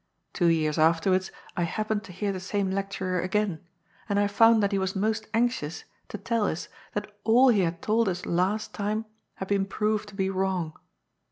Two years afterwards I happened to hear the same lecturer again, and I found that he was most anxious to tell us that all he had told us last time had been proved to be wrong.